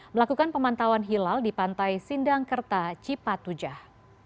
melakukan pemantauan hilal di pantai sindangkerta cipatujah